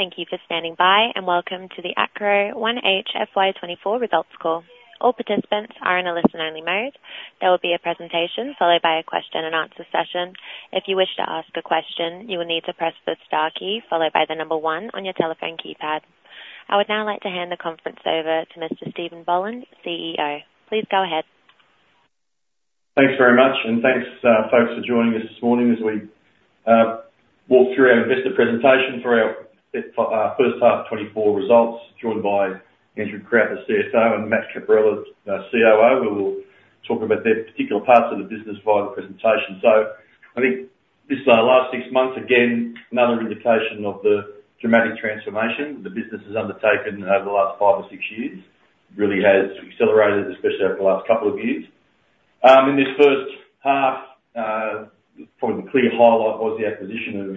Thank you for standing by, and welcome to the Acrow 1H FY24 results call. All participants are in a listen-only mode. There will be a presentation, followed by a question and answer session. If you wish to ask a question, you will need to press the star key followed by the number one on your telephone keypad. I would now like to hand the conference over to Mr. Steven Boland, CEO. Please go ahead. Thanks very much, and thanks, folks, for joining us this morning as we walk through our investor presentation for our first half 2024 results, joined by Andrew Crowther, CFO, and Matt Caporella, our COO, who will talk about their particular parts of the business via the presentation. So I think this last six months, again, another indication of the dramatic transformation the business has undertaken over the last five or six years. Really has accelerated, especially over the last couple of years. In this first half, probably the clear highlight was the acquisition of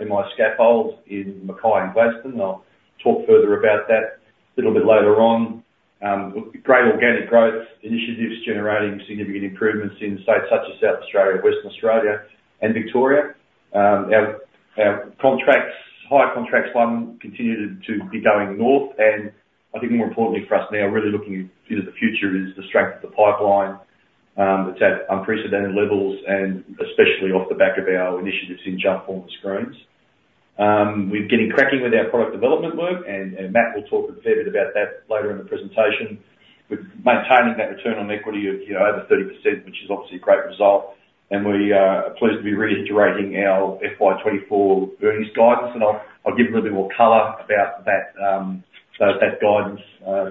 MI Scaffold in Mackay and Gladstone. I'll talk further about that little bit later on. Great organic growth initiatives generating significant improvements in states such as South Australia, Western Australia, and Victoria. Our contracts, hire contracts won, continue to be going north, and I think more importantly for us now, really looking into the future is the strength of the pipeline. It's at unprecedented levels and especially off the back of our initiatives in jumpform and screens. We're getting cracking with our product development work, and Matt will talk a fair bit about that later in the presentation. We're maintaining that return on equity of, you know, over 30%, which is obviously a great result, and we are pleased to be reiterating our FY 2024 earnings guidance, and I'll give a little bit more color about that, so that guidance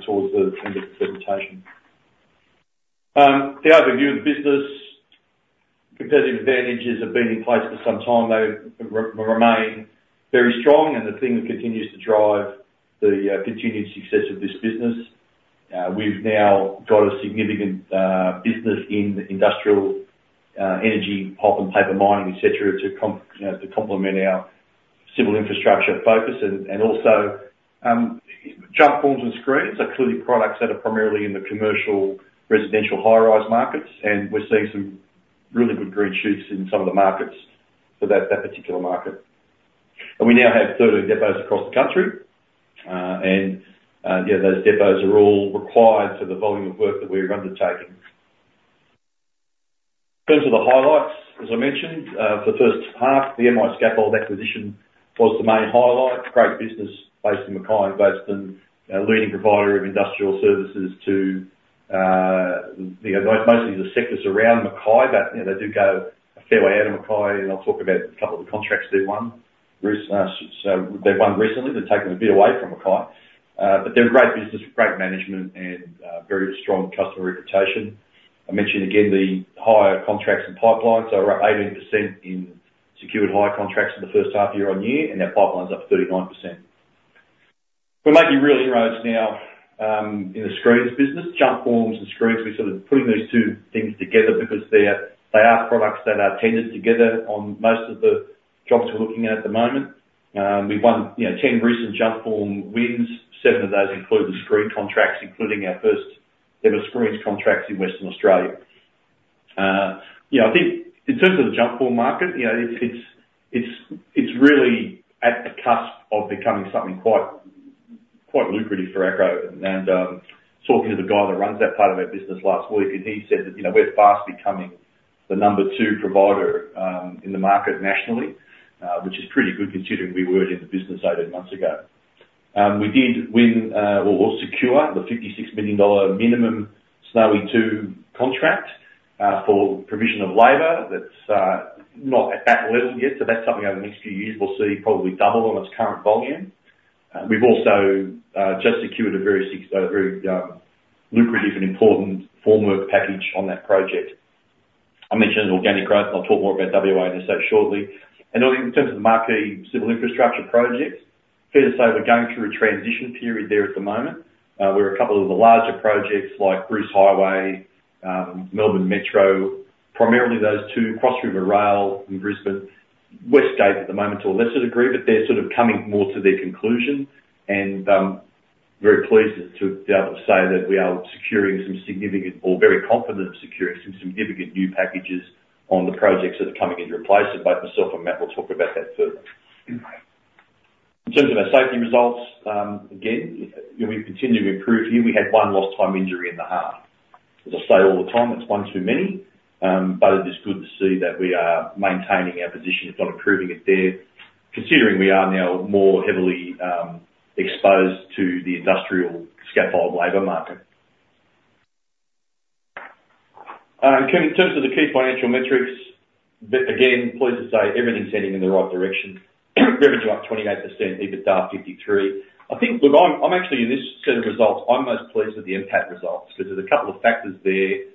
towards the end of the presentation. The overview of the business. Competitive advantages have been in place for some time. They remain very strong, and the thing that continues to drive the continued success of this business. We've now got a significant business in the industrial energy, pulp and paper mining, et cetera, to, you know, complement our civil infrastructure focus. And also, jumpform and screens are clearly products that are primarily in the commercial, residential, high-rise markets, and we're seeing some really good green shoots in some of the markets for that particular market. And we now have 13 depots across the country. Yeah, those depots are all required for the volume of work that we're undertaking. In terms of the highlights, as I mentioned, for the first half, the MI Scaffold acquisition was the main highlight. Great business based in Mackay and Gladstone. A leading provider of industrial services to, you know, most, mostly the sectors around Mackay, but, you know, they do go a fair way out of Mackay, and I'll talk about a couple of the contracts they won recently. So they've won recently. They've taken a bit away from Mackay, but they're a great business, great management and, very strong customer reputation. I'll mention again, the hire contracts and pipelines are up 18% in secured hire contracts in the first half year-over-year, and our pipeline's up 39%. We're making real inroads now, in the screens business. Jumpform and screens, we're sort of putting these two things together because they're, they are products that are tendered together on most of the jobs we're looking at at the moment. We've won, you know, 10 recent Jumpform wins. Seven of those include the screen contracts, including our first ever screens contracts in Western Australia. You know, I think in terms of the jump form market, you know, it's, it's, it's, it's really at the cusp of becoming something quite, quite lucrative for Acrow. And, talking to the guy that runs that part of our business last week, and he said that, "You know, we're fast becoming the number two provider, in the market nationally," which is pretty good considering we weren't in the business eighteen months ago. We did win, or, or secure the 56 million dollar minimum Snowy 2.0 contract, for provision of labor. That's, not at that level yet, so that's something over the next few years we'll see probably double on its current volume. We've also, just secured a very six... Very lucrative and important formwork package on that project. I mentioned organic growth, and I'll talk more about WA in just so shortly. And I think in terms of the marquee civil infrastructure projects, fair to say we're going through a transition period there at the moment. Where a couple of the larger projects like Bruce Highway, Melbourne Metro, primarily those two, Cross River Rail in Brisbane, West Gate at the moment to a lesser degree, but they're sort of coming more to their conclusion. And very pleased to be able to say that we are securing some significant or very confident of securing some significant new packages on the projects that are coming in to replace it. Both myself and Matt will talk about that further. In terms of our safety results, again, you know, we've continued to improve here. We had one lost time injury in the half. As I say all the time, it's one too many, but it is good to see that we are maintaining our position. It's not improving it there, considering we are now more heavily exposed to the industrial scaffold labor market. In terms of the key financial metrics, again, pleased to say everything's heading in the right direction. Revenue up 28%, EBITDA 53%. I think... Look, I'm actually in this set of results, I'm most pleased with the NPAT results, because there's a couple of factors there,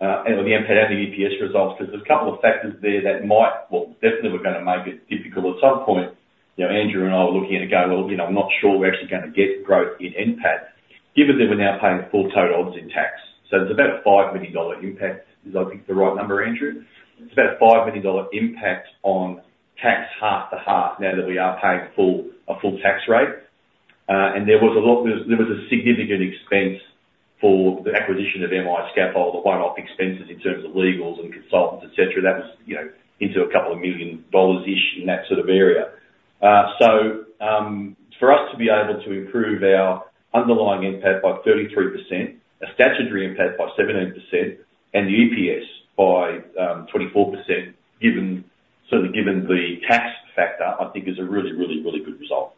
and on the NPAT and the EPS results, because there's a couple of factors there that might, well, definitely were gonna make it difficult at some point. You know, Andrew and I were looking at it, going, "Well, you know, I'm not sure we're actually gonna get growth in NPAT given that we're now paying full tote odds in tax." So there's about a 5 million dollar impact. Did I pick the right number, Andrew? It's about a 5 million dollar impact on tax half to half now that we are paying full, a full tax rate. And there was a significant expense for the acquisition of MI Scaffold, the one-off expenses in terms of legals and consultants, et cetera. That was, you know, a couple of million AUD-ish in that sort of area. So, for us to be able to improve our underlying NPAT by 33%, a statutory NPAT by 17%, and the EPS by 24%, given, so given the tax factor, I think is a really, really, really good result.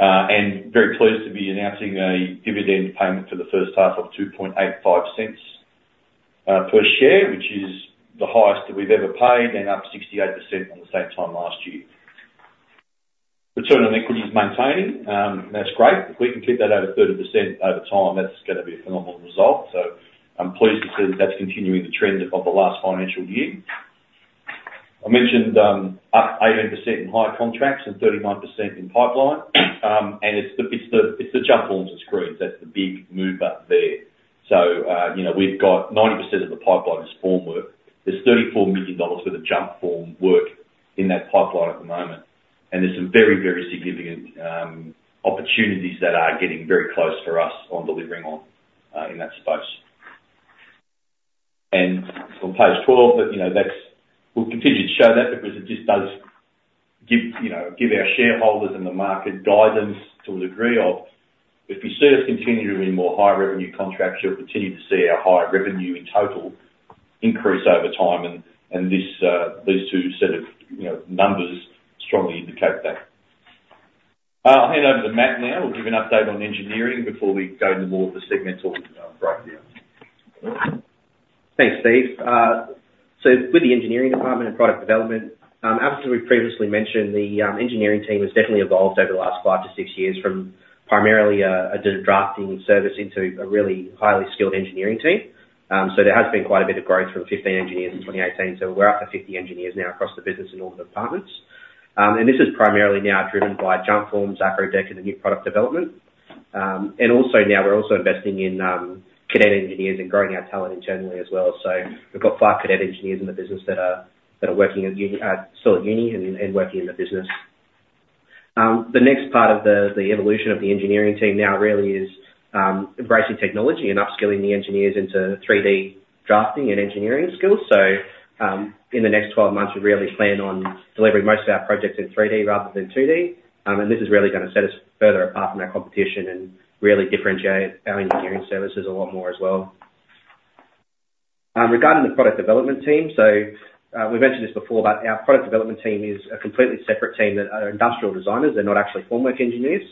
And very pleased to be announcing a dividend payment for the first half of 0.0285 per share, which is the highest that we've ever paid and up 68% on the same time last year. Return on equity is maintaining, and that's great. If we can keep that over 30% over time, that's gonna be a phenomenal result. So I'm pleased to see that that's continuing the trend of the last financial year. I mentioned up 18% in hire contracts and 39% in pipeline. And it's the jumpform and screens, that's the big move up there. So, you know, we've got 90% of the pipeline is formwork. There's 34 million dollars worth of jump form work in that pipeline at the moment, and there's some very, very significant opportunities that are getting very close for us on delivering on in that space. And on page 12, but, you know, that's... We'll continue to show that because it just does give, you know, give our shareholders and the market guidance to a degree of, if you see us continue to win more high revenue contracts, you'll continue to see our high revenue in total increase over time, and this, these two set of, you know, numbers strongly indicate that. I'll hand over to Matt now, who'll give an update on engineering before we go into more of the segmental breakdown. Thanks, Steve. So with the engineering department and product development, as we've previously mentioned, the engineering team has definitely evolved over the last 5-6 years from primarily a drafting service into a really highly skilled engineering team. So there has been quite a bit of growth from 15 engineers in 2018, so we're up to 50 engineers now across the business in all the departments. And this is primarily now driven by Jumpforms, AcrowDeck, and the new product development. And also now we're also investing in cadet engineers and growing our talent internally as well. So we've got 5 cadet engineers in the business that are working at uni, still at uni and working in the business. The next part of the evolution of the engineering team now really is embracing technology and upskilling the engineers into 3D drafting and engineering skills. So, in the next 12 months, we really plan on delivering most of our projects in 3D rather than 2D. And this is really gonna set us further apart from our competition and really differentiate our engineering services a lot more as well. Regarding the product development team, so, we've mentioned this before, but our product development team is a completely separate team that are industrial designers. They're not actually formwork engineers.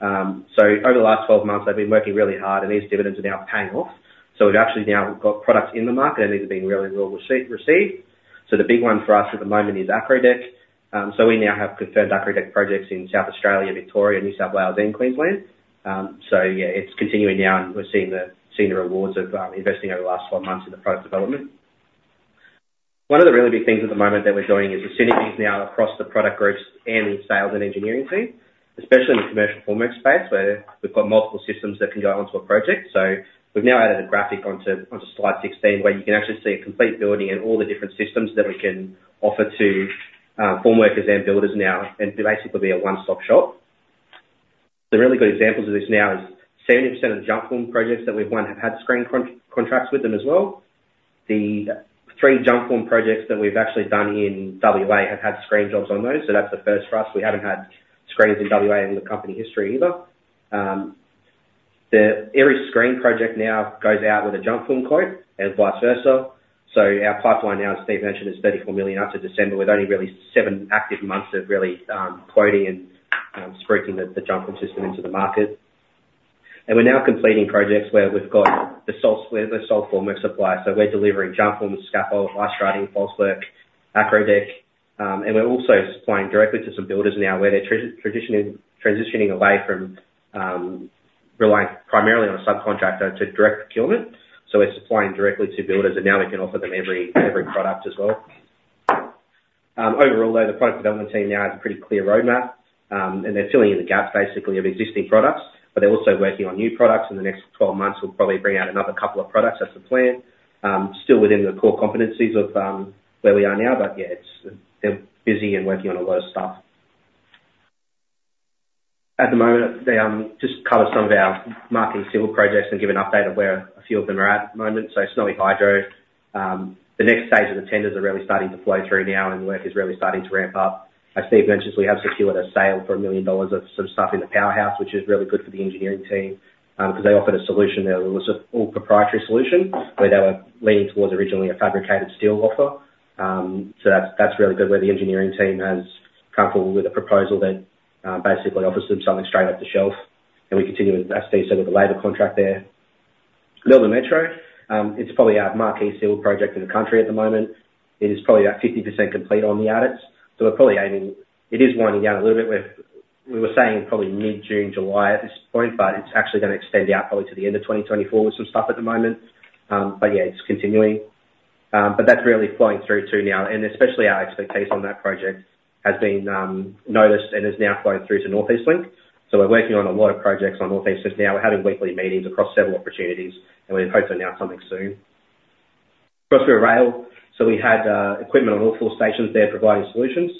So over the last 12 months, they've been working really hard, and these dividends are now paying off. So we've actually now got products in the market, and these have been really well received, received. So the big one for us at the moment is AcrowDeck. So we now have confirmed AcrowDeck projects in South Australia, Victoria, New South Wales, and Queensland. So yeah, it's continuing now, and we're seeing the rewards of investing over the last 12 months in the product development. One of the really big things at the moment that we're doing is the synergies now across the product groups and the sales and engineering team, especially in the commercial formwork space, where we've got multiple systems that can go onto a project. So we've now added a graphic onto slide 16, where you can actually see a complete building and all the different systems that we can offer to formworkers and builders now, and basically be a one-stop shop. The really good examples of this now is 70% of the Jumpform projects that we've won have had screen contracts with them as well. The 3 Jumpform projects that we've actually done in WA have had screen jobs on those, so that's a first for us. We haven't had screens in WA in the company history either. Every screen project now goes out with a Jumpform quote and vice versa. So our pipeline now, as Steve mentioned, is 34 million up to December, with only really 7 active months of really quoting and spruiking the Jumpform system into the market. We're now completing projects where we've got the sole formwork supplier, so we're delivering Jumpform, scaffold, orchestrating, falsework, AcrowDeck, and we're also supplying directly to some builders now, where they're transitioning away from relying primarily on a subcontractor to direct procurement. We're supplying directly to builders, and now we can offer them every, every product as well. Overall, though, the product development team now has a pretty clear roadmap, and they're filling in the gaps, basically, of existing products, but they're also working on new products. In the next 12 months, we'll probably bring out another couple of products. That's the plan. Still within the core competencies of where we are now, but yeah, it's, they're busy and working on a lot of stuff. At the moment, they just cover some of our marketing civil projects and give an update of where a few of them are at the moment. So Snowy Hydro, the next stage of the tenders are really starting to flow through now, and work is really starting to ramp up. As Steve mentioned, we have secured a sale for 1 million dollars of some stuff in the powerhouse, which is really good for the engineering team, 'cause they offered a solution there. It was an all proprietary solution, where they were leaning towards originally a fabricated steel offer. So that's, that's really good, where the engineering team has come up with a proposal that basically offers them something straight off the shelf, and we continue with, as Steve said, with the labor contract there. Melbourne Metro, it's probably our marquee civil project in the country at the moment. It is probably about 50% complete on the adits, so we're probably aiming. It is winding down a little bit with. We were saying probably mid-June, July at this point, but it's actually gonna extend out probably to the end of 2024 with some stuff at the moment. But yeah, it's continuing. But that's really flowing through to now, and especially our expectation on that project has been noticed and is now flowing through to North East Link. So we're working on a lot of projects on North East Link now. We're having weekly meetings across several opportunities, and we hope to announce something soon. Cross River Rail, so we had equipment on all four stations there providing solutions.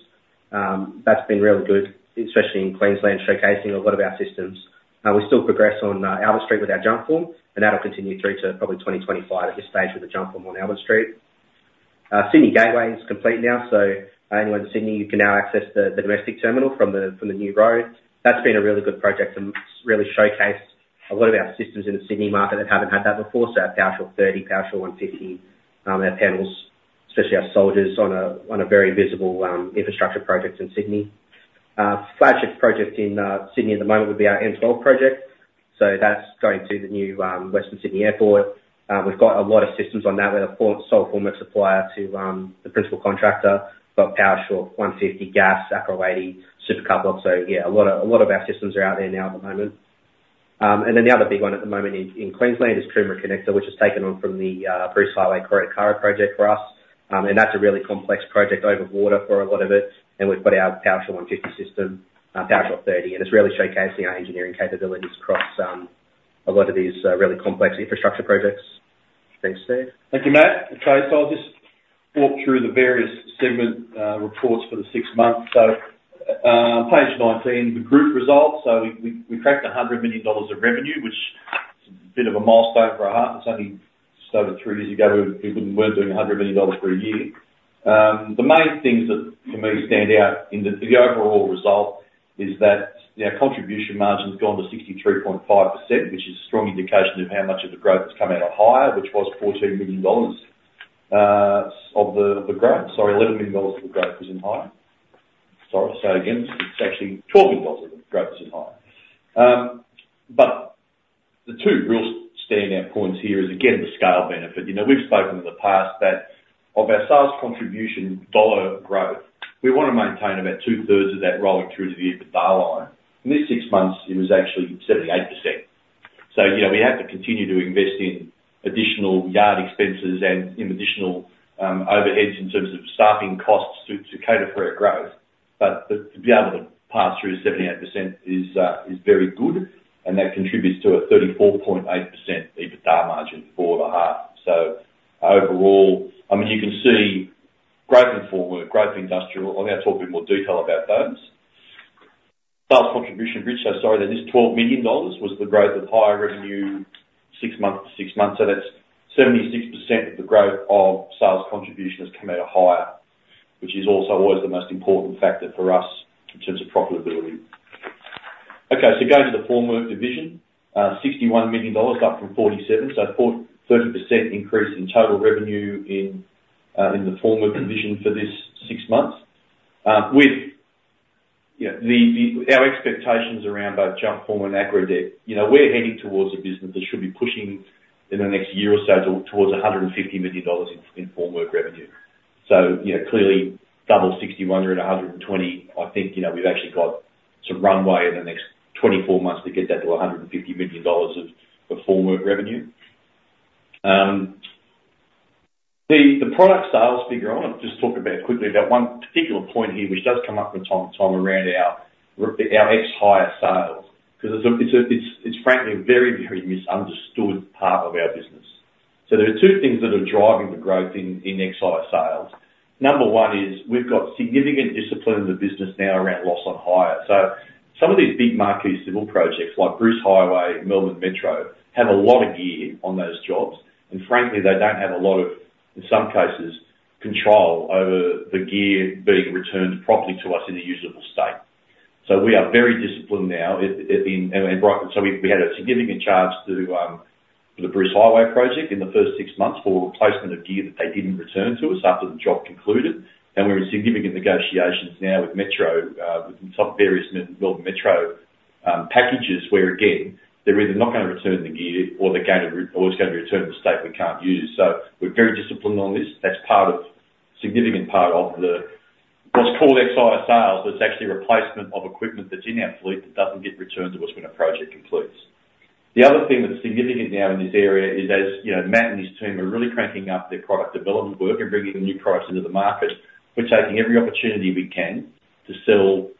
That's been really good, especially in Queensland, showcasing a lot of our systems. We still progress on Albert Street with our jump form, and that'll continue through to probably 2025 at this stage, with the jump form on Albert Street. Sydney Gateway is complete now, so anyone in Sydney, you can now access the domestic terminal from the new road. That's been a really good project and really showcased a lot of our systems in the Sydney market that haven't had that before. So our Powershore 30, Powershore 150, our panels, especially our soldiers on a very visible infrastructure project in Sydney. Flagship project in Sydney at the moment would be our M12 project. So that's going to the new Western Sydney Airport. We've got a lot of systems on that. We're the sole formwork supplier to the principal contractor. Got Powershore 150, GASS, Acrow 80, SuperCuplok. So yeah, a lot of our systems are out there now at the moment. And then the other big one at the moment in Queensland is Coomera Connector, which has taken on from the Bruce Highway Cooroy project for us. And that's a really complex project over water for a lot of it, and we've got our Powershore 150 system, Powershore 30, and it's really showcasing our engineering capabilities across a lot of these really complex infrastructure projects. Thanks, Steve. Thank you, Matt. Okay, so I'll just walk through the various segment reports for the six months. So, page 19, the group results. So we cracked 100 million dollars of revenue, which is a bit of a milestone for a half. It's only just over three years ago, we weren't doing 100 million dollars per year. The main things that for me stand out in the overall result is that our contribution margin's gone to 63.5%, which is a strong indication of how much of the growth has come out of hire, which was 14 million dollars of the growth. Sorry, 11 million dollars of the growth was in hire. Sorry, so again, it's actually 12 million dollars of the growth is in hire. But the two real standout points here is, again, the scale benefit. You know, we've spoken in the past that of our sales contribution dollar growth, we want to maintain about 2/3 of that rolling through to the EBITDA line. In this six months, it was actually 78%. So, you know, we have to continue to invest in additional yard expenses and in additional overheads in terms of staffing costs to cater for our growth. But to be able to pass through 78% is very good, and that contributes to a 34.8% EBITDA margin for the half. So overall, I mean, you can see growth in formwork, growth in industrial. I'm gonna talk in more detail about those. Sales contribution bridge, so sorry, that this AUD 12 million was the growth of higher revenue, six months to six months. So that's 76% of the growth of sales contribution has come out of hire, which is also always the most important factor for us in terms of profitability. Okay, so going to the formwork division, 61 million dollars, up from 47 million, so thirty percent increase in total revenue in the formwork division for this six months. With, you know, our expectations around both Jumpform and AcrowDeck, you know, we're heading towards a business that should be pushing in the next year or so towards 150 million dollars in formwork revenue. So, you know, clearly double 61 or 120, I think, you know, we've actually got some runway in the next 24 months to get that to 150 million dollars of formwork revenue. The product sales figure, I want to just talk about quickly, about one particular point here, which does come up from time to time around our ex hire sales, 'cause it's frankly a very, very misunderstood part of our business. So there are two things that are driving the growth in ex hire sales. Number one is, we've got significant discipline in the business now around loss on hire. So some of these big marquee civil projects like Bruce Highway, Melbourne Metro, have a lot of gear on those jobs, and frankly, they don't have a lot of, in some cases, control over the gear being returned properly to us in a usable state. So we are very disciplined now at the... We had a significant charge for the Bruce Highway project in the first six months for replacement of gear that they didn't return to us after the job concluded, and we're in significant negotiations now with Metro with some various Melbourne Metro packages, where again, they're either not gonna return the gear or they're gonna return it or it's gonna be returned in a state we can't use. So we're very disciplined on this. That's a significant part of what's called Ex Hire Sales, but it's actually replacement of equipment that's in our fleet that doesn't get returned to us when a project concludes. The other thing that's significant now in this area is, as you know, Matt and his team are really cranking up their product development work and bringing new products into the market. We're taking every opportunity we can to sell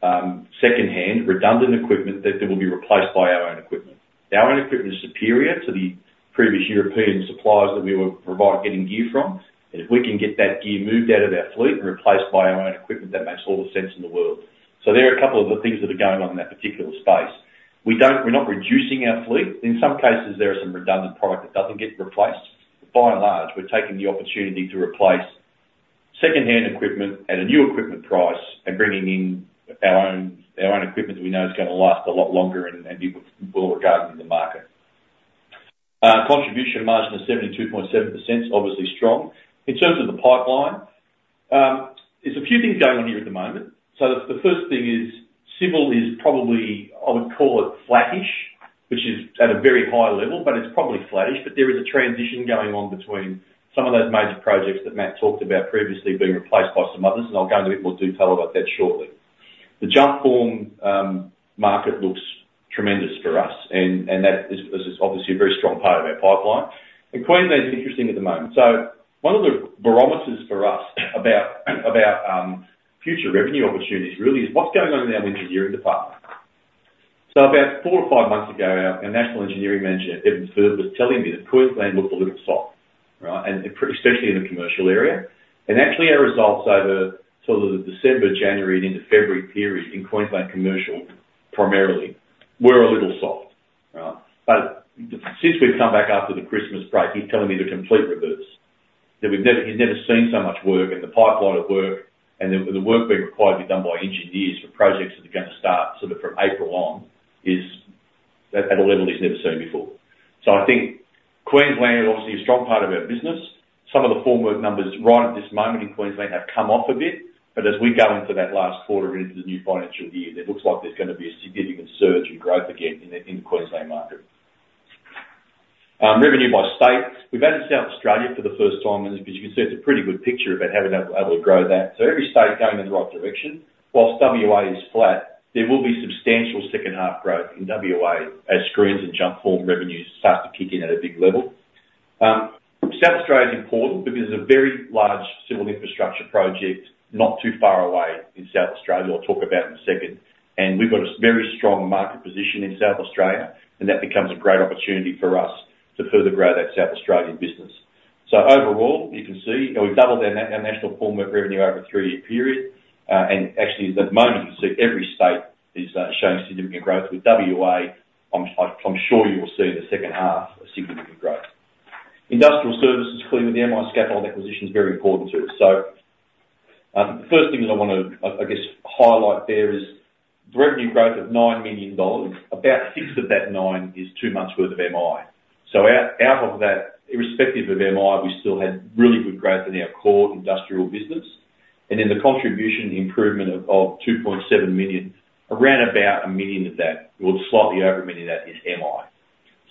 second-hand, redundant equipment that will be replaced by our own equipment. Our own equipment is superior to the previous European suppliers that we were provided getting gear from, and if we can get that gear moved out of our fleet and replaced by our own equipment, that makes a lot of sense in the world. So there are a couple of the things that are going on in that particular space. We're not reducing our fleet. In some cases, there are some redundant product that doesn't get replaced. By and large, we're taking the opportunity to replace second-hand equipment at a new equipment price and bringing in our own, our own equipment that we know is gonna last a lot longer and, and be well regarded in the market. Contribution margin of 72.7%, obviously strong. In terms of the pipeline, there's a few things going on here at the moment. So the, the first thing is, civil is probably, I would call it flattish, which is at a very high level, but it's probably flattish, but there is a transition going on between some of those major projects that Matt talked about previously being replaced by some others, and I'll go into a bit more detail about that shortly. The jump form market looks tremendous for us, and, and that is, is obviously a very strong part of our pipeline. Queensland is interesting at the moment. So one of the barometers for us about future revenue opportunities really is what's going on in our winter hiring department? So about four or five months ago, our National Engineering Manager, Evan Third, was telling me that Queensland looked a little soft, right? And especially in the commercial area. And actually, our results over sort of the December, January, and into February period in Queensland Commercial, primarily, were a little soft. Right? But since we've come back after the Christmas break, he's telling me the complete reverse, that we've never, he's never seen so much work, and the pipeline of work, and the work being required to be done by engineers for projects that are gonna start sort of from April on, is at a level he's never seen before. So I think Queensland is obviously a strong part of our business. Some of the formwork numbers right at this moment in Queensland have come off a bit, but as we go into that last quarter and into the new financial year, it looks like there's gonna be a significant surge in growth again in the Queensland market. Revenue by state. We've added South Australia for the first time, and as you can see, it's a pretty good picture about how we're able to grow that. So every state is going in the right direction. Whilst WA is flat, there will be substantial second half growth in WA as screens and jump form revenues start to kick in at a big level. South Australia is important because there's a very large civil infrastructure project not too far away in South Australia, I'll talk about in a second, and we've got a very strong market position in South Australia, and that becomes a great opportunity for us to further grow that South Australian business. So overall, you can see, you know, we've doubled our national formwork revenue over a 3-year period. And actually, at the moment, you can see every state is showing significant growth. With WA, I'm sure you will see in the second half, a significant growth. Industrial services, clearly, the MI Scaffold acquisition is very important to us. So, the first thing that I want to, I guess, highlight there is revenue growth of 9 million dollars. About six of that nine is two months' worth of MI. So, out of that, irrespective of MI, we still had really good growth in our core industrial business. And then the contribution, the improvement of 2.7 million, around about 1 million of that, or slightly over 1 million of that, is MI.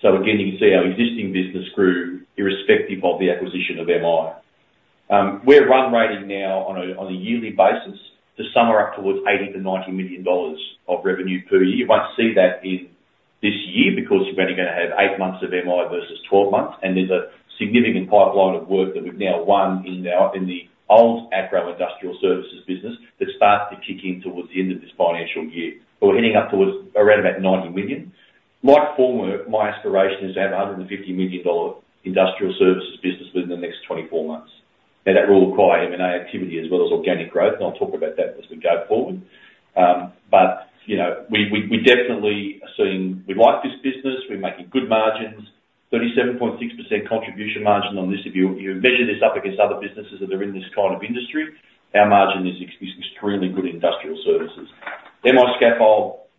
So again, you can see our existing business grew irrespective of the acquisition of MI. We're run rating now on a yearly basis to somewhere up towards 80 million-90 million dollars of revenue per year. You won't see that in this year, because you're only gonna have 8 months of MI versus 12 months, and there's a significant pipeline of work that we've now won in our, in the old Acrow Industrial Services business, that starts to kick in towards the end of this financial year. We're heading up towards around about 90 million. My formwork, my aspiration is to have a 150 million dollar industrial services business within the next 24 months. Now, that will require M&A activity as well as organic growth, and I'll talk about that as we go forward. But, you know, we definitely are seeing... We like this business. We're making good margins. 37.6% contribution margin on this. If you measure this up against other businesses that are in this kind of industry, our margin is extremely good in industrial services. MI Scaffold,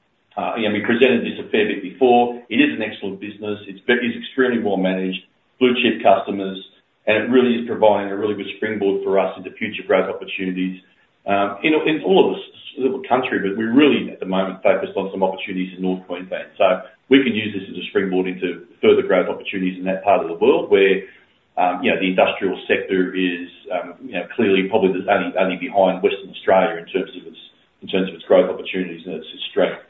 you know, we presented this a fair bit before. It is an excellent business. It's extremely well managed, blue-chip customers, and it really is providing a really good springboard for us into future growth opportunities, in all of this small little country, but we're really, at the moment, focused on some opportunities in North Queensland. So we can use this as a springboard into further growth opportunities in that part of the world, where, you know, the industrial sector is, you know, clearly probably only behind Western Australia in terms of its, in terms of its growth opportunities and its, its strength.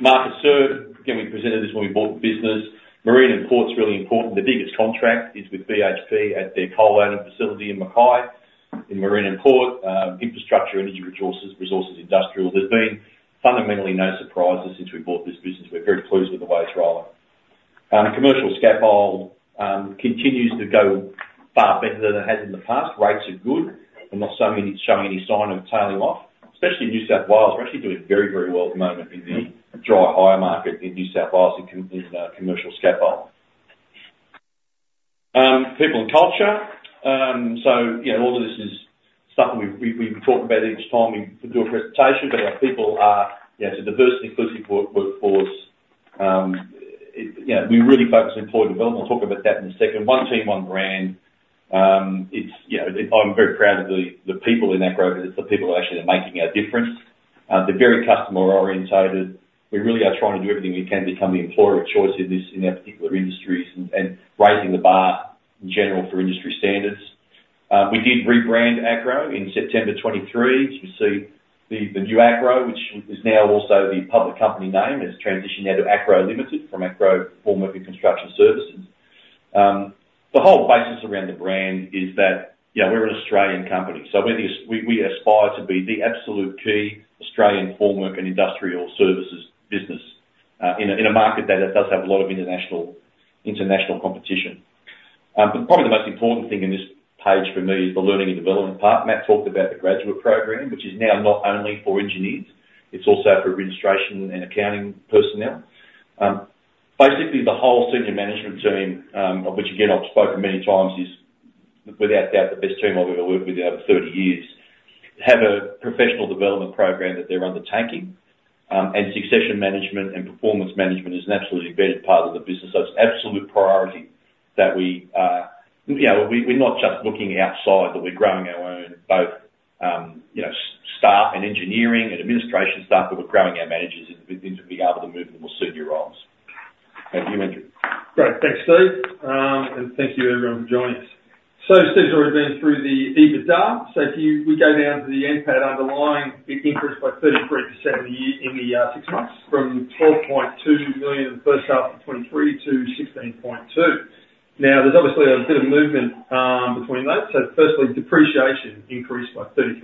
Markets served. Again, we presented this when we bought the business. Marine and Ports really important. The biggest contract is with BHP at their coal loading facility in Mackay, in Marine and Ports. Infrastructure, energy resources, resources, industrial. There's been fundamentally no surprises since we bought this business. We're very pleased with the way it's rolling. Commercial Scaffold continues to go far better than it has in the past. Rates are good and not showing any sign of tailing off, especially in New South Wales. We're actually doing very, very well at the moment in the dry hire market in New South Wales, in commercial scaffold. People and culture. So, you know, a lot of this is stuff we've talked about each time we do a presentation, but our people are, you know, it's a diverse and inclusive workforce. You know, we really focus on employee development. I'll talk about that in a second. One team, one brand. You know, I'm very proud of the people in Acrow because it's the people who actually are making a difference. They're very customer-oriented. We really are trying to do everything we can to become the employer of choice in this, in our particular industries and raising the bar in general for industry standards. We did rebrand Acrow in September 2023, as you see the new Acrow, which is now also the public company name, has transitioned now to Acrow Limited from Acrow Formwork and Construction Services. The whole basis around the brand is that, you know, we're an Australian company, so we're this, we aspire to be the absolute key Australian formwork and industrial services business, in a market that it does have a lot of international competition. But probably the most important thing in this page for me is the learning and development part. Matt talked about the graduate program, which is now not only for engineers, it's also for administration and accounting personnel. Basically, the whole senior management team, of which again, I've spoken many times, is without doubt the best team I've ever worked with over 30 years, have a professional development program that they're undertaking, and succession management and performance management is an absolutely embedded part of the business. So it's absolute priority that we... You know, we, we're not just looking outside, but we're growing our own, both, you know, staff and engineering and administration staff, but we're growing our managers, and we seem to be able to move them to senior roles. Over to you, Andrew. Great. Thanks, Steve, and thank you everyone for joining us. So Steve's already been through the EBITDA, so we go down to the NPAT, underlying earnings by 33% in the year, in the six months, from 12.2 million in the first half of 2023, to 16.2 million. Now, there's obviously a bit of movement between those. So firstly, depreciation increased by 33%,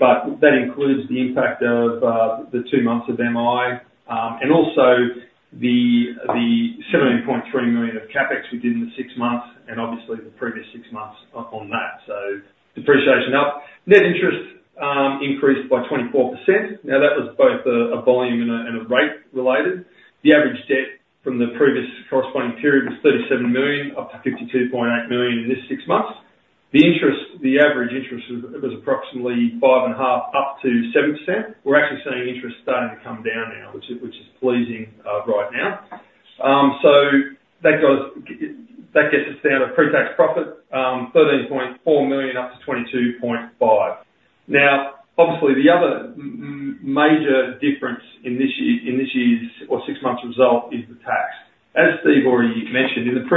but that includes the impact of the 2 months of MI, and also the 17.3 million of CapEx we did in the six months, and obviously the previous six months on that. So depreciation up. Net interest increased by 24%. Now, that was both a volume and a rate related. The average debt from the previous corresponding period was 37 million, up to 52.8 million in this six months. The interest, the average interest was approximately 5.5%-7%. We're actually seeing interest starting to come down now, which is pleasing, right now. So that gets us down to pre-tax profit, 13.4 million up to 22.5. Now, obviously, the other major difference in this year, in this year's or six months' result is the tax. As Steve already mentioned, in the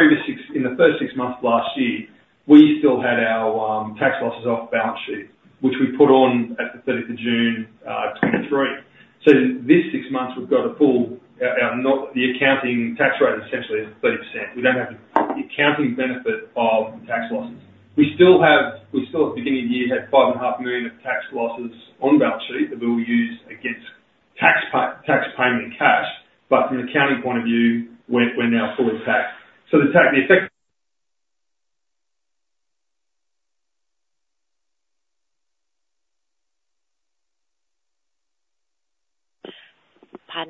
first six months of last year, we still had our tax losses off balance sheet, which we put on at the 13th of June 2023. So this six months, we've got a full, not the accounting tax rate, essentially is 30%. We don't have the accounting benefit of tax losses. We still have, at the beginning of the year, had 5.5 million of tax losses on balance sheet that we will use against tax payment and cash, but from an accounting point of view, we're now fully taxed.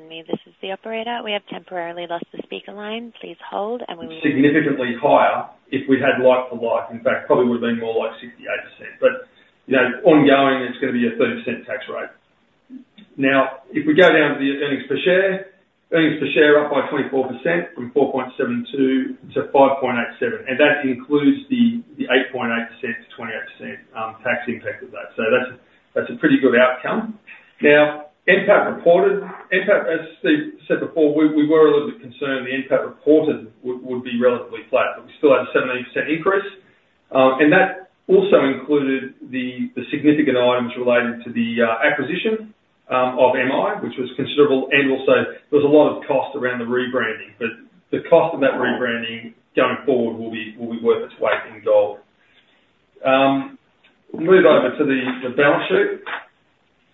So the tax, the effect- Pardon me, this is the operator. We have temporarily lost the speaker line. Please hold, and we will- Significantly higher if we had like for like. In fact, probably would have been more like 68%, but, you know, ongoing, it's gonna be a 30% tax rate. Now, if we go down to the earnings per share, earnings per share up by 24% from 4.72-5.87, and that includes the, the 8.8% to 28%, tax impact of that. So that's, that's a pretty good outcome. Now, NPAT reported. NPAT, as Steve said before, we, we were a little bit concerned the NPAT reported would, would be relatively flat, but we still had a 17% increase, and that also included the, the significant items related to the acquisition of MI, which was considerable, and also there was a lot of cost around the rebranding. But the cost of that rebranding, going forward, will be, will be worth its weight in gold. Move over to the balance sheet.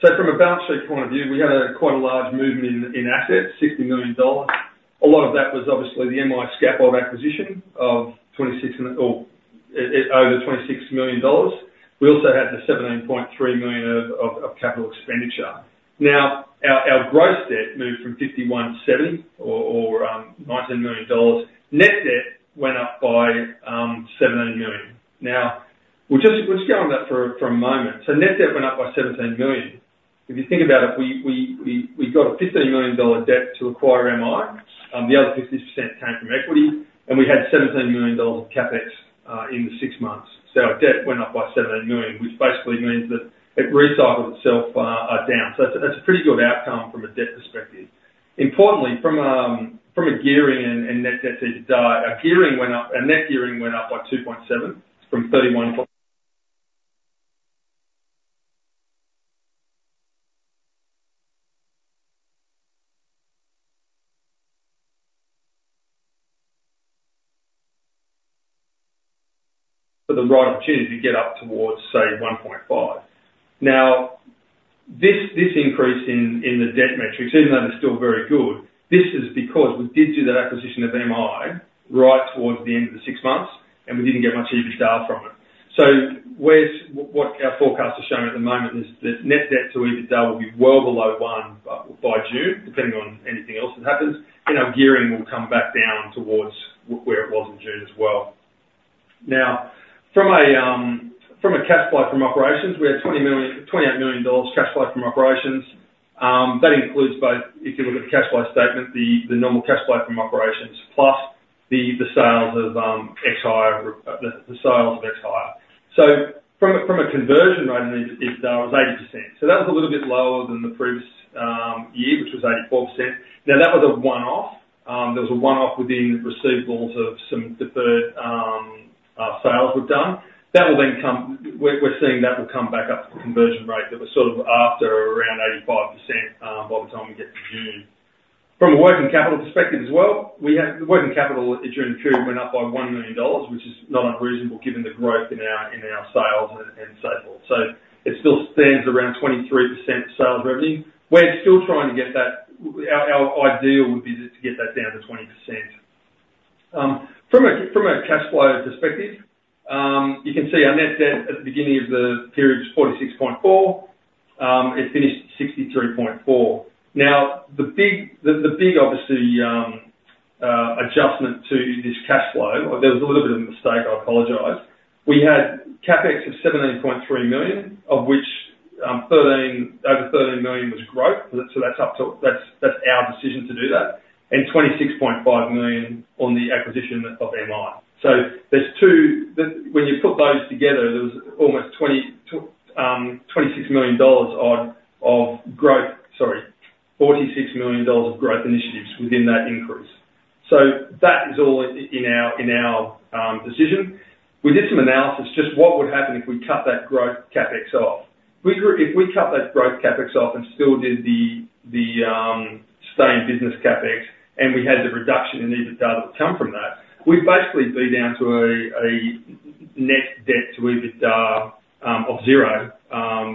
So from a balance sheet point of view, we had quite a large movement in assets, AUD 60 million. A lot of that was obviously the MI Scaffold acquisition of 26 million... or over AUD 26 million. We also had the 17.3 million of capital expenditure. Now, our gross debt moved from 51.7 or 19 million dollars. Net debt went up by 17 million. Now, we'll just go on that for a moment. So net debt went up by 17 million. If you think about it, we got a 15 million dollar debt to acquire MI, the other 50% came from equity, and we had 17 million dollars of CapEx in the six months. So our debt went up by 17 million, which basically means that it recycled itself down. So that's a pretty good outcome from a debt perspective. Importantly, from a gearing and net debt perspective, our gearing went up, our net gearing went up by 2.7 from 31 point... For the right opportunity to get up towards, say, 1.5. Now, this increase in the debt metrics, even though they're still very good, this is because we did do that acquisition of MI right towards the end of the six months, and we didn't get much EBITDA from it. So what our forecast is showing at the moment is that net debt to EBITDA will be well below one by June, depending on anything else that happens. And our gearing will come back down towards where it was in June as well. Now, from a cash flow from operations, we had 28 million dollars cash flow from operations. That includes both, if you look at the cash flow statement, the normal cash flow from operations, plus the sales of ex-hire. So from a conversion rate, EBITDA was 80%. So that was a little bit lower than the previous year, which was 84%. Now, that was a one-off. There was a one-off within receivables of some deferred sales we've done. That will then come. We're seeing that will come back up to conversion rate that was sort of after around 85%, by the time we get to June. From a working capital perspective as well, we had, the working capital during the period went up by 1 million dollars, which is not unreasonable, given the growth in our sales and so forth. So it still stands around 23% sales revenue. We're still trying to get that. Our ideal would be to get that down to 20%. From a cash flow perspective, you can see our net debt at the beginning of the period was 46.4 million. It finished 63.4 million. Now, the big, obviously, adjustment to this cash flow, there was a little bit of a mistake, I apologize. We had CapEx of 17.3 million, of which, over 13 million was growth. So that's up to- That's our decision to do that, and 26.5 million on the acquisition of MI. So there's two- When you put those together, there was almost 26 million dollars of growth- sorry, 46 million dollars of growth initiatives within that increase. So that is all in our decision. We did some analysis, just what would happen if we cut that growth CapEx off? If we cut that growth CapEx off and still did the stay in business CapEx, and we had the reduction in EBITDA that would come from that, we'd basically be down to a net debt to EBITDA of zero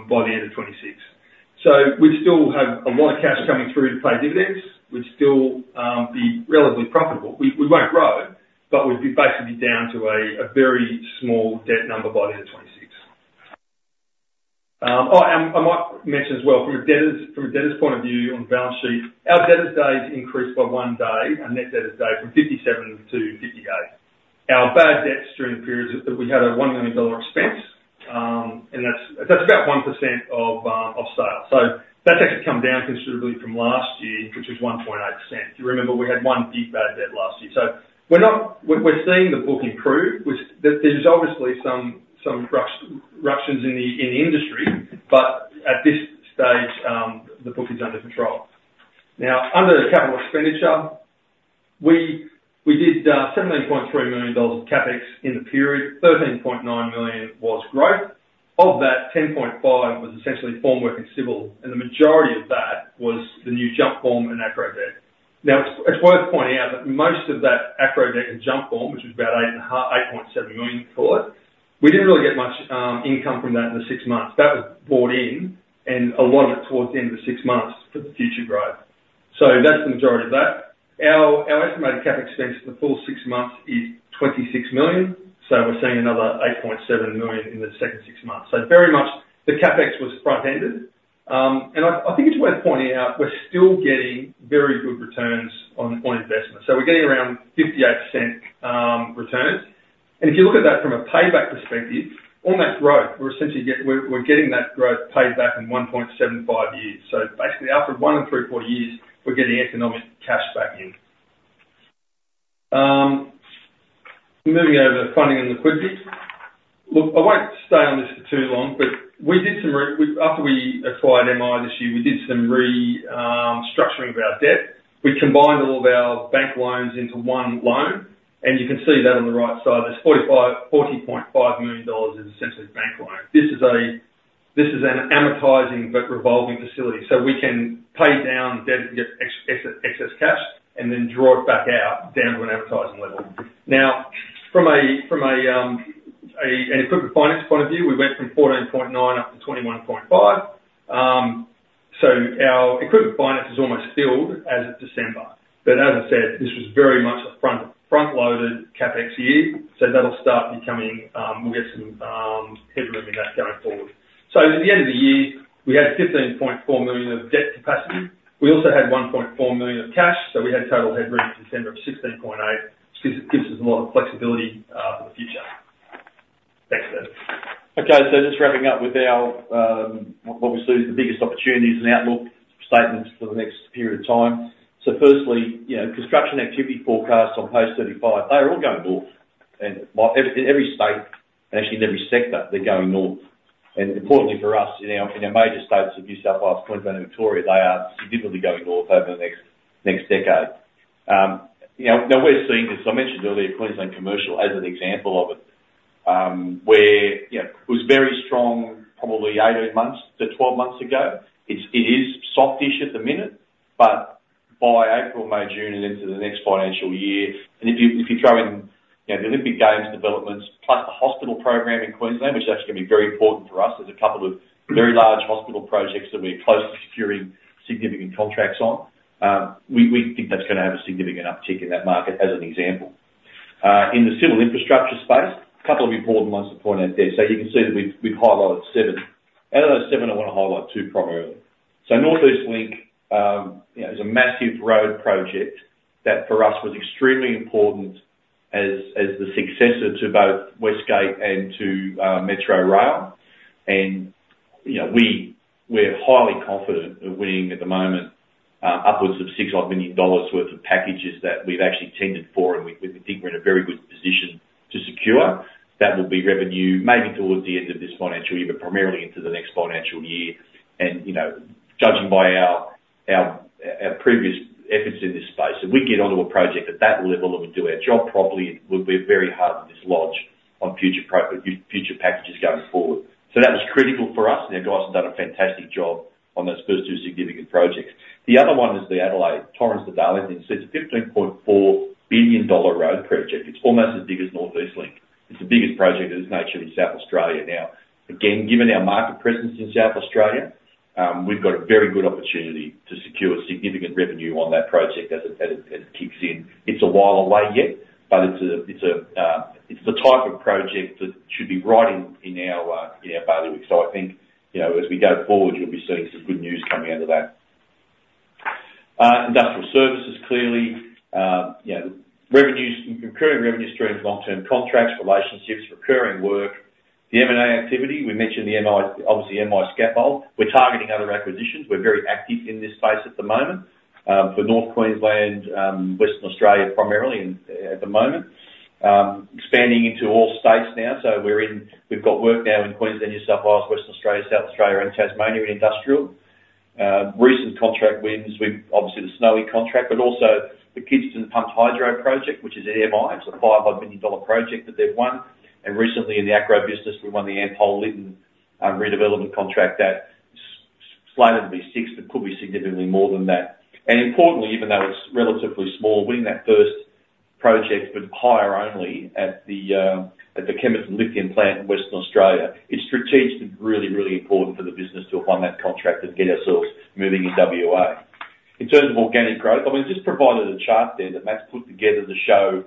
by the end of 2026. So we'd still have a lot of cash coming through to pay dividends. We'd still be relatively profitable. We won't grow, but we'd be basically down to a very small debt number by the end of 2026. Oh, and I might mention as well, from a debtor's point of view on the balance sheet, our debtors days increased by one day, our net debtors day, from 57 to 58. Our bad debts during the period is that we had a 1 million dollar expense, and that's, that's about 1% of, of sale. So that's actually come down considerably from last year, which was 1.8%. If you remember, we had one big bad debt last year. So we're seeing the book improve, which there, there's obviously some disruptions in the, in the industry, but at this stage, the book is under control. Now, under the capital expenditure, we did seventeen point three million dollars of CapEx in the period. 13.9 million was growth. Of that, 10.5 was essentially formwork and civil, and the majority of that was the new Jumpform and AcrowDeck. Now, it's worth pointing out that most of that AcrowDeck and Jumpform, which was about 8.7 million for it, we didn't really get much income from that in the six months. That was brought in and a lot of it towards the end of the six months for the future growth. So that's the majority of that. Our estimated CapEx expense for the full six months is 26 million, so we're seeing another 8.7 million in the second six months. So very much the CapEx was front-ended. And I think it's worth pointing out, we're still getting very good returns on investment. So we're getting around 0.58 returns. If you look at that from a payback perspective, on that growth, we're essentially getting that growth paid back in 1.75 years. So basically, after 1.75 years, we're getting economic cash back in. Moving over to funding and liquidity. Look, I won't stay on this for too long, but after we acquired MI this year, we did some restructuring of our debt. We combined all of our bank loans into one loan, and you can see that on the right side. There's 40.5 million dollars in essentially bank loan. This is an amortizing but revolving facility, so we can pay down debt and get excess cash, and then draw it back out down to an advancing level. Now, from an equipment finance point of view, we went from 14.9 up to 21.5. So our equipment finance is almost filled as of December, but as I said, this was very much a front-loaded CapEx year, so that'll start becoming... We'll get some headroom in that going forward. So at the end of the year, we had 15.4 million of debt capacity. We also had 1.4 million of cash, so we had total headroom at December of 16.8 million. This gives us a lot of flexibility for the future. Next slide. Okay, so just wrapping up with our obviously, the biggest opportunities and outlook statements for the next period of time. So firstly, you know, construction activity forecasts on page 35, they are all going north, and by, in every state, and actually in every sector, they're going north. And importantly for us, in our major states of New South Wales, Queensland, and Victoria, they are significantly going north over the next decade. You know, now we're seeing this, I mentioned earlier, Queensland Commercial as an example of it, where, you know, it was very strong, probably 18 months to 12 months ago. It is softish at the minute, but by April, May, June and into the next financial year, and if you, if you throw in, you know, the Olympic Games developments, plus the hospital program in Queensland, which is actually going to be very important for us, there's a couple of very large hospital projects that we're close to securing significant contracts on, we think that's gonna have a significant uptick in that market as an example. In the civil infrastructure space, a couple of important ones to point out there. So you can see that we've highlighted seven. Out of those seven, I wanna highlight two primarily. So North East Link, you know, is a massive road project that, for us, was extremely important as the successor to both West Gate and to Metro Rail. You know, we're highly confident of winning at the moment, upwards of 6 odd million worth of packages that we've actually tendered for, and we think we're in a very good position to secure. That will be revenue maybe towards the end of this financial year, but primarily into the next financial year. And, you know, judging by our previous efforts in this space, if we get onto a project at that level and we do our job properly, we'll be very hard to dislodge on future packages going forward. So that was critical for us, and our guys have done a fantastic job on those first two significant projects. The other one is the Torrens to Darlington. It's a AUD 15.4 billion road project. It's almost as big as North East Link. It's the biggest project of its nature in South Australia. Now, again, given our market presence in South Australia, we've got a very good opportunity to secure significant revenue on that project as it kicks in. It's a while away yet, but it's the type of project that should be right in our bailiwick. So I think, you know, as we go forward, you'll be seeing some good news coming out of that. Industrial services, clearly, you know, revenues, recurring revenue streams, long-term contracts, relationships, recurring work. The M&A activity, we mentioned the MI, obviously, the MI Scaffold. We're targeting other acquisitions. We're very active in this space at the moment, for North Queensland, Western Australia, primarily and, at the moment. Expanding into all states now, so we're in, we've got work now in Queensland, New South Wales, Western Australia, South Australia, and Tasmania in industrial.... Recent contract wins with obviously the Snowy contract, but also the Kidston Pumped Hydro Project, which is MI. It's an 500 million dollar project that they've won. And recently in the Acrow business, we won the Ampol Lytton redevelopment contract that's slated to be 6 million, but could be significantly more than that. And importantly, even though it's relatively small, winning that first project with hire only at the Kemerton Lithium plant in Western Australia is strategically really, really important for the business to have won that contract and get ourselves moving in WA. In terms of organic growth, I mean, we've just provided a chart there that Matt's put together to show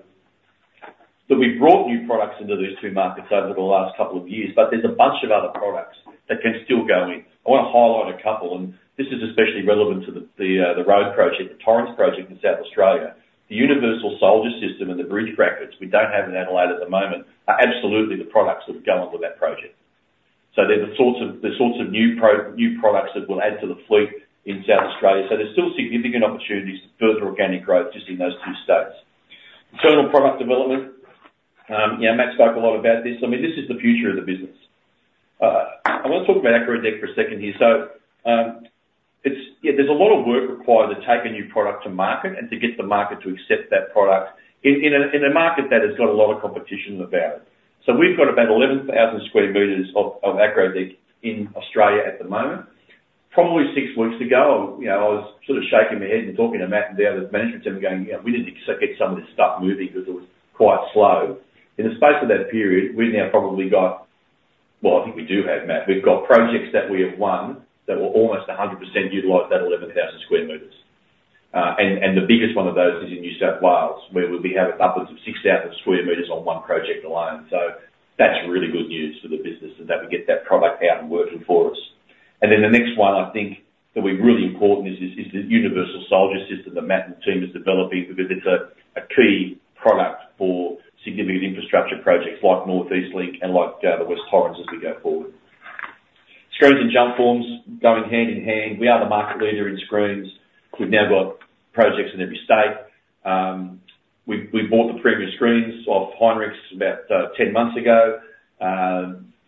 that we've brought new products into these two markets over the last couple of years, but there's a bunch of other products that can still go in. I wanna highlight a couple, and this is especially relevant to the road project, the Torrens project in South Australia. The Universal Soldier System and the bridge brackets we don't have in Adelaide at the moment, are absolutely the products that have gone with that project. So they're the sorts of new products that will add to the fleet in South Australia. So there's still significant opportunities to further organic growth just in those two states. Internal product development, yeah, Matt spoke a lot about this. I mean, this is the future of the business. I want to talk about Acrow there for a second here. So, it's... Yeah, there's a lot of work required to take a new product to market and to get the market to accept that product in, in a, in a market that has got a lot of competition about it. So we've got about 11,000 square meters of AcrowDeck in Australia at the moment. Probably six weeks ago, you know, I was sort of shaking my head and talking to Matt and the other management team, going, "You know, we need to get some of this stuff moving" because it was quite slow. In the space of that period, we've now probably got... Well, I think we do have, Matt. We've got projects that we have won that will almost 100% utilize that 11,000 square meters. And the biggest one of those is in New South Wales, where we have upwards of 6,000 square meters on one project alone. So that's really good news for the business, and that we get that product out and working for us. And then the next one, I think, that we're really important is the Universal Soldier System that Matt and the team is developing, because it's a key product for significant infrastructure projects like North East Link and like the West Torrens as we go forward. Screens and jumpforms going hand in hand. We are the market leader in screens. We've now got projects in every state. We bought the Premium Screens off Heinrichs about 10 months ago.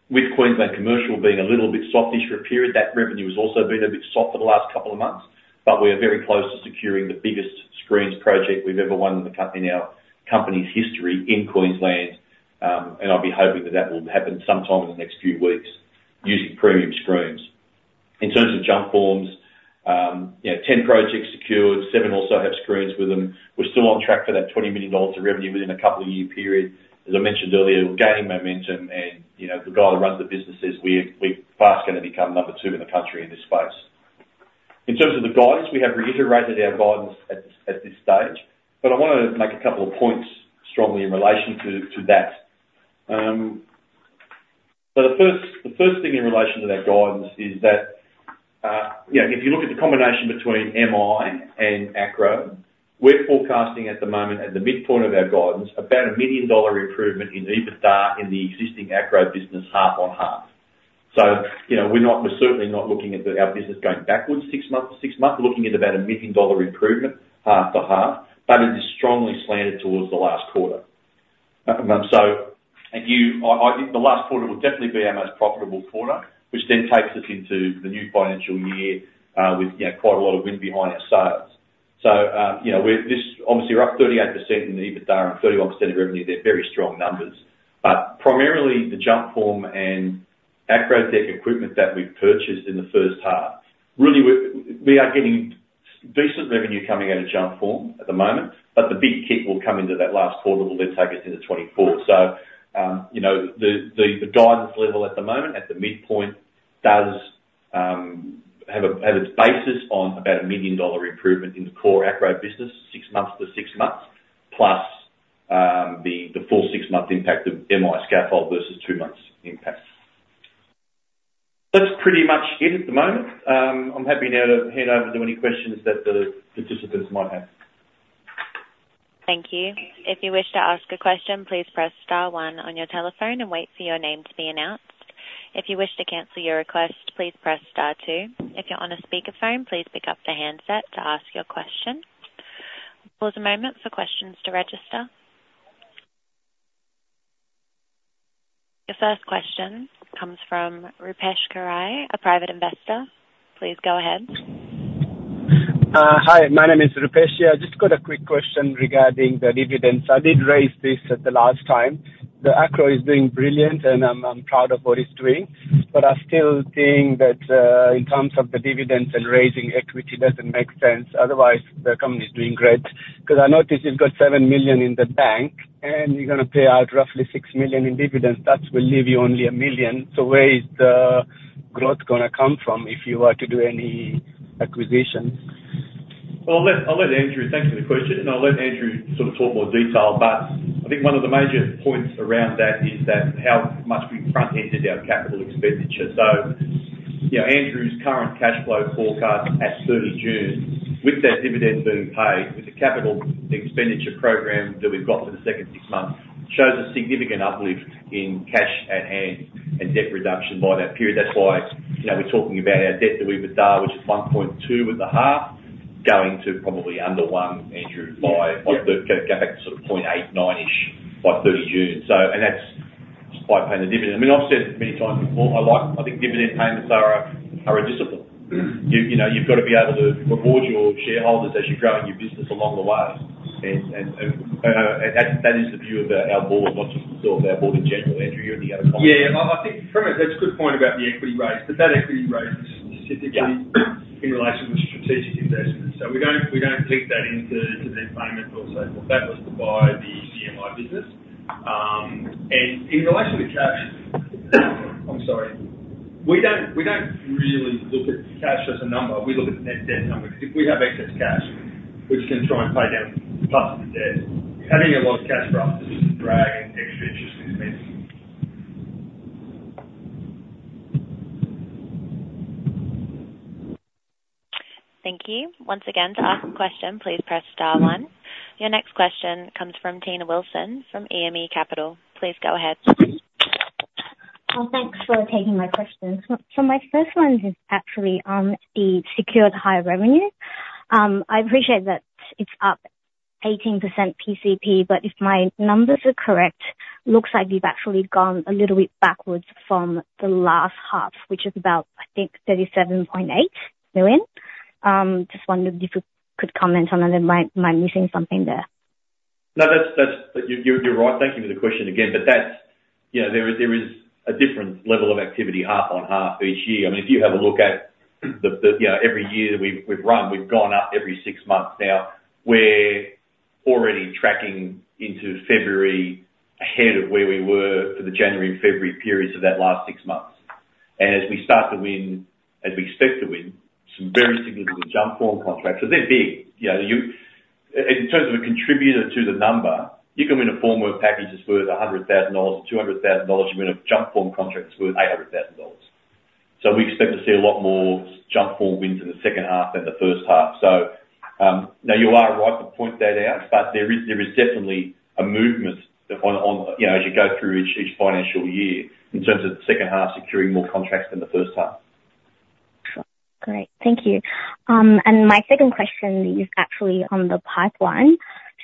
With Queensland Commercial being a little bit soft-ish for a period, that revenue has also been a bit soft for the last couple of months, but we are very close to securing the biggest screens project we've ever won in the company- in our company's history in Queensland, and I'll be hoping that that will happen sometime in the next few weeks using Premium Screens. In terms of jumpform, you know, 10 projects secured, seven also have screens with them. We're still on track for that 20 million dollars of revenue within a couple of year period. As I mentioned earlier, we're gaining momentum and, you know, the guy who runs the business says, "We're, we're fast gonna become number two in the country in this space." In terms of the guidance, we have reiterated our guidance at this, at this stage, but I wanna make a couple of points strongly in relation to, to that. So the first, the first thing in relation to that guidance is that, you know, if you look at the combination between MI and Acrow, we're forecasting at the moment, at the midpoint of our guidance, about 1 million dollar improvement in EBITDA in the existing Acrow business, half on half. So, you know, we're not- we're certainly not looking at the, our business going backwards six months to six months. We're looking at about 1 million dollar improvement half to half, but it is strongly slanted towards the last quarter. I think the last quarter will definitely be our most profitable quarter, which then takes us into the new financial year, with, you know, quite a lot of wind behind our sails. So, you know, this obviously, we're up 38% in the EBITDA and 31% of revenue. They're very strong numbers. But primarily, the Jumpform and AcrowDeck equipment that we've purchased in the first half, we are getting decent revenue coming out of Jumpform at the moment, but the big kick will come into that last quarter, which will then take us into 2024. So, you know, the guidance level at the moment, at the midpoint, does have its basis on about 1 million dollar improvement in the core Acrow business, six months to six months, plus the full six months impact of MI Scaffold versus two months impact. That's pretty much it at the moment. I'm happy now to hand over to any questions that the participants might have. Thank you. If you wish to ask a question, please press star one on your telephone and wait for your name to be announced. If you wish to cancel your request, please press star two. If you're on a speakerphone, please pick up the handset to ask your question. Pause a moment for questions to register. Your first question comes from Rupesh Karai, a private investor. Please go ahead. Hi, my name is Rupesh. I just got a quick question regarding the dividends. I did raise this at the last time. Acrow is doing brilliant, and I'm, I'm proud of what it's doing, but I still think that, in terms of the dividends and raising equity doesn't make sense, otherwise, the company is doing great. 'Cause I noticed you've got 7 million in the bank, and you're gonna pay out roughly 6 million in dividends, that will leave you only 1 million. So where is the growth gonna come from if you are to do any acquisitions? Well, I'll let Andrew... Thank you for the question, and I'll let Andrew sort of talk more detail. But I think one of the major points around that is that how much we front-ended our capital expenditure. So, you know, Andrew's current cash flow forecast at 30 June, with that dividend being paid, with the capital expenditure program that we've got for the second six months, shows a significant uplift in cash at hand and debt reduction by that period. That's why, you know, we're talking about our debt to EBITDA, which is 1.2 with the half, going to probably under 1, Andrew, by- Yeah. go back to sort of 0.8, 0.9-ish by 30 June. So and that's by paying the dividend. I mean, I've said many times before, I like – I think dividend payments are a discipline. You know, you've got to be able to reward your shareholders as you're growing your business along the way. And that is the view of our board, not just yourself, our board in general. Andrew, you have any other comments? Yeah, I think from a-- that's a good point about the equity raise, but that equity raise is specifically- Yeah. in relation to strategic investments. So we don't, we don't link that into, to the payment or so forth. That was to buy the CMI business. And in relation to cash, I'm sorry. We don't, we don't really look at cash as a number. We look at the net debt number. Because if we have excess cash, which can try and pay down part of the debt, having a lot of cash for us is just dragging extra interest expense. Thank you. Once again, to ask a question, please press star one. Your next question comes from Tina Wilson, from AME Capital. Please go ahead. Well, thanks for taking my questions. So my first one is actually on the secured hire revenue. I appreciate that it's up 18% PCP, but if my numbers are correct, looks like you've actually gone a little bit backwards from the last half, which is about, I think, 37.8 million. Just wondered if you could comment on that. Am I missing something there? No, that's... You're right. Thank you for the question again. But that's, you know, there is a different level of activity half on half each year. I mean, if you have a look at the, you know, every year that we've run, we've gone up every six months. Now, we're already tracking into February, ahead of where we were for the January and February periods of that last six months. And as we start to win, as we expect to win, some very significant jump form contracts, so they're big. You know... In terms of a contributor to the number, you can win a formwork package that's worth 100,000 dollars or 200,000 dollars. You win a jump form contract that's worth 800,000 dollars. So we expect to see a lot more Jumpform wins in the second half than the first half. So, now you are right to point that out, but there is definitely a movement on, you know, as you go through each financial year in terms of the second half securing more contracts than the first half. Sure. Great. Thank you. And my second question is actually on the pipeline.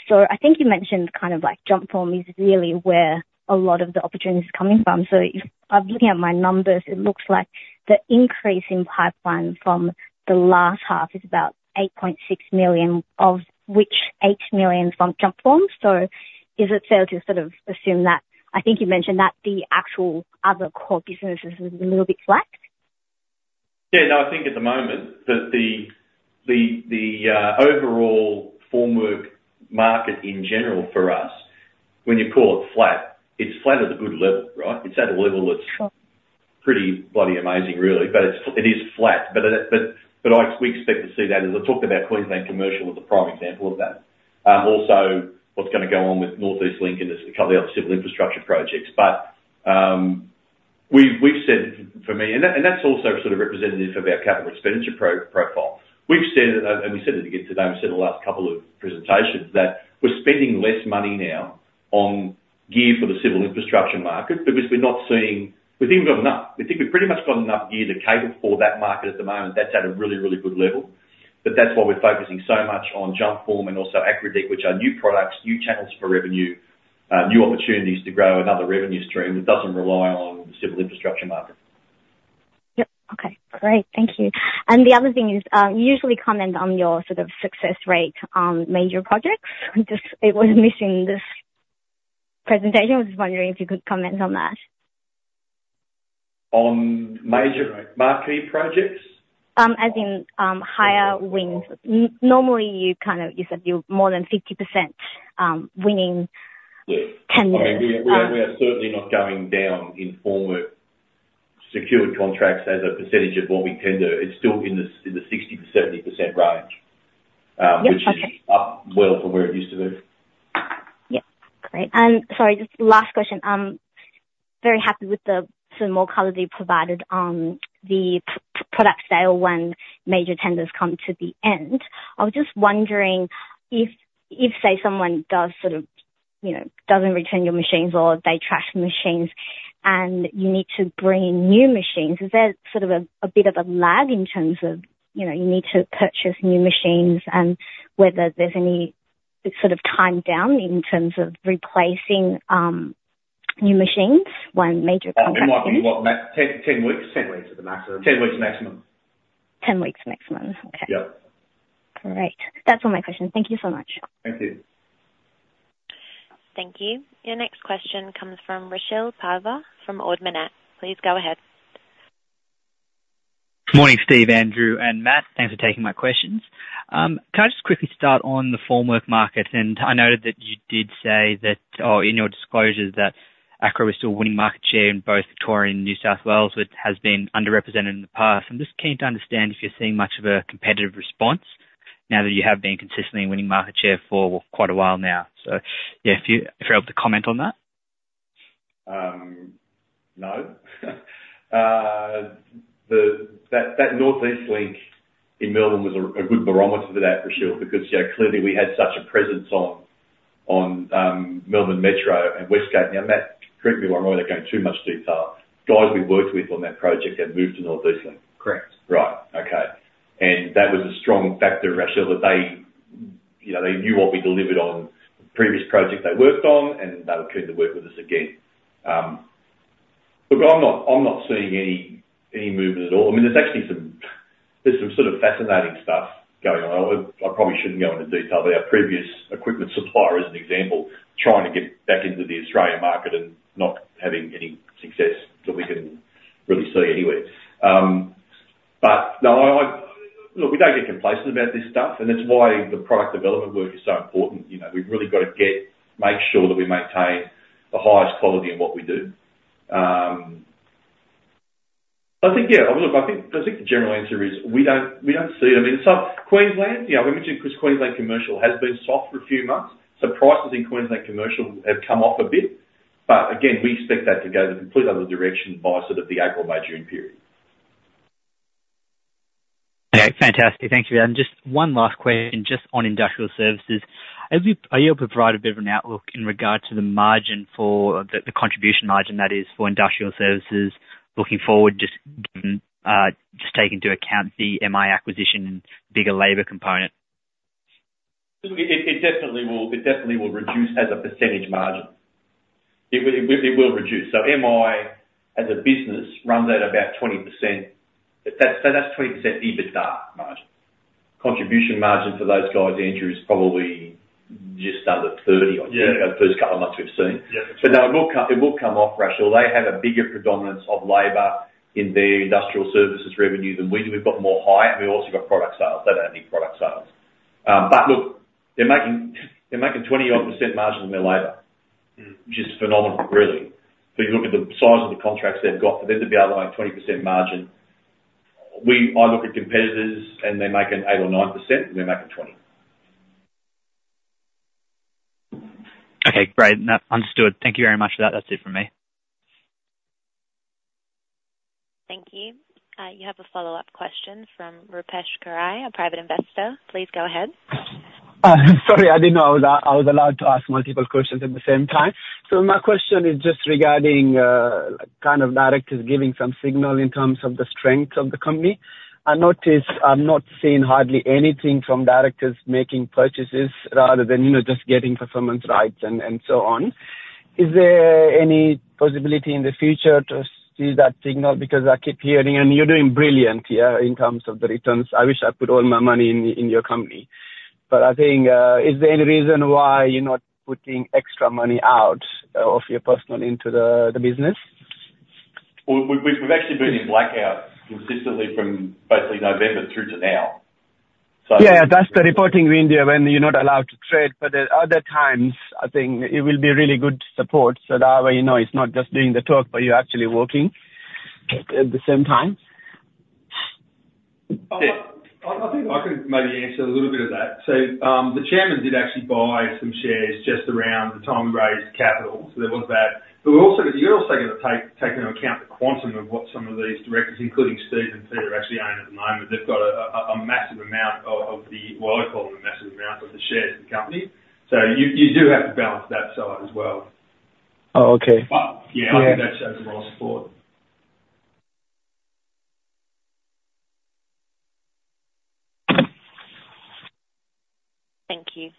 So I think you mentioned kind of like Jumpform is really where a lot of the opportunity is coming from. So if I'm looking at my numbers, it looks like the increase in pipeline from the last half is about 8.6 million, of which 8 million from Jumpform. So is it fair to sort of assume that, I think you mentioned that the actual other core businesses is a little bit flat? Yeah. No, I think at the moment that the overall formwork market in general for us, when you call it flat, it's flat at a good level, right? It's at a level that's- Sure. Pretty bloody amazing, really, but it's flat. But we expect to see that, as I talked about Queensland Commercial as a prime example of that. Also, what's gonna go on with North East Link and a couple of other civil infrastructure projects. But we've said for me. And that, and that's also sort of representative of our capital expenditure profile. We've said, and we said it again today, and we've said in the last couple of presentations, that we're spending less money now on gear for the civil infrastructure market, because we're not seeing. We think we've got enough. We think we've pretty much got enough gear to cater for that market at the moment. That's at a really, really good level. That's why we're focusing so much on Jumpform and also Acrow, which are new products, new channels for revenue, new opportunities to grow another revenue stream that doesn't rely on the civil infrastructure market. Yep. Okay, great. Thank you. The other thing is, you usually comment on your sort of success rate on major projects. Just, it was missing in this presentation. I was just wondering if you could comment on that? On major marquee projects? As in higher wins. Normally, you kind of, you said you're more than 50%, winning- Yeah. -tenders. We are certainly not going down in formwork secured contracts as a percentage of what we tender. It's still in the 60%-70% range. Yep, okay. which is up well from where it used to be. Yeah. Great. And sorry, just last question. I'm very happy with the some more color that you provided on the product sale when major tenders come to the end. I was just wondering if, say, someone does sort of, you know, doesn't return your machines or they trash the machines and you need to bring in new machines, is there sort of a bit of a lag in terms of, you know, you need to purchase new machines and whether there's any sort of time down in terms of replacing new machines when major contracts- 10, 10 weeks? 10 weeks is the maximum. 10 weeks maximum. 10 weeks maximum. Okay. Yep. Great. That's all my questions. Thank you so much. Thank you. Thank you. Your next question comes from Rochelle Povey, from Ord Minnett. Please go ahead. Good morning, Steve, Andrew, and Matt. Thanks for taking my questions. Can I just quickly start on the formwork market? I noted that you did say that, or in your disclosures, that Acrow is still winning market share in both Victoria and New South Wales, which has been underrepresented in the past. I'm just keen to understand if you're seeing much of a competitive response now that you have been consistently winning market share for quite a while now. So, yeah, if you, if you're able to comment on that. No. That North East Link in Melbourne was a good barometer for that, Rochelle, because, you know, clearly we had such a presence on Melbourne Metro and West Gate. Now, Matt, correct me if I'm wrong, guys we worked with on that project have moved to North Queensland? Correct. Right. Okay. And that was a strong factor, Rochelle, that they, you know, they knew what we delivered on the previous project they worked on, and they were keen to work with us again. Look, I'm not seeing any movement at all. I mean, there's actually some sort of fascinating stuff going on. I probably shouldn't go into detail, but our previous equipment supplier, as an example, trying to get back into the Australian market and not having any success that we can really see anywhere. But no, look, we don't get complacent about this stuff, and that's why the product development work is so important. You know, we've really got to make sure that we maintain the highest quality in what we do. I think, yeah, look, I think the general answer is we don't see it. I mean, so Queensland, you know, I mentioned because Queensland commercial has been soft for a few months, so prices in Queensland commercial have come off a bit. But again, we expect that to go the complete other direction by sort of the April, May, June period. Okay, fantastic. Thank you. And just one last question, just on industrial services. Are you able to provide a bit of an outlook in regard to the margin for the, the contribution margin, that is, for industrial services looking forward, just given, just taking into account the MI acquisition and bigger labor component? It definitely will reduce as a percentage margin. It will reduce. So MI, as a business, runs at about 20%. But that's, so that's 20% EBITDA margin. Contribution margin for those guys, Andrew, is probably just under 30%, I think. Yeah. The first couple of months we've seen. Yeah. So now it will come, it will come off, Rochelle. They have a bigger predominance of labor in their industrial services revenue than we do. We've got more hire, and we've also got product sales. They don't have any product sales. But look, they're making, they're making 20-odd% margin on their labor- Mm. which is phenomenal, really. If you look at the size of the contracts they've got, for them to be able to make 20% margin... I look at competitors, and they're making 8% or 9%, and they're making 20%. Okay, great. No, understood. Thank you very much for that. That's it from me. Thank you. You have a follow-up question from Rupesh Karai, a private investor. Please go ahead. Sorry, I didn't know I was, I was allowed to ask multiple questions at the same time. So my question is just regarding kind of directors giving some signal in terms of the strength of the company. I noticed I'm not seeing hardly anything from directors making purchases rather than, you know, just getting performance rights and so on. Is there any possibility in the future to see that signal? Because I keep hearing, and you're doing brilliant here in terms of the returns. I wish I put all my money in your company. But I think is there any reason why you're not putting extra money out of your personal into the business? Well, we've actually been in blackout consistently from basically November through to now, so. Yeah, that's the reporting window when you're not allowed to trade, but there are other times I think it will be really good support, so that way you know, it's not just doing the talk, but you're actually working at the same time. I think I could maybe answer a little bit of that. So, the chairman did actually buy some shares just around the time we raised capital, so there was that. But we're also, you've also got to take into account the quantum of what some of these directors, including Steve and Peter, actually own at the moment. They've got a massive amount of the... Well, I call them a massive amount of the shares in the company. So you do have to balance that side as well. Oh, okay. But, yeah- Yeah. I think that shows moral support. Thank you.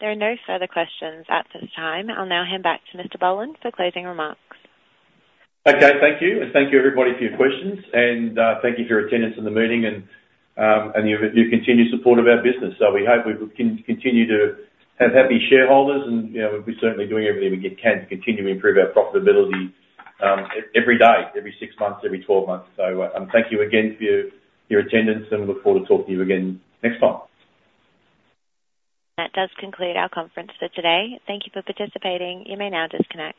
There are no further questions at this time. I'll now hand back to Mr. Boland for closing remarks. Okay. Thank you, and thank you, everybody, for your questions. And thank you for your attendance in the meeting and your continued support of our business. So we hope we continue to have happy shareholders, and, you know, we'll be certainly doing everything we can to continue to improve our profitability every day, every six months, every twelve months. So thank you again for your attendance, and we look forward to talking to you again next time. That does conclude our conference for today. Thank you for participating. You may now disconnect.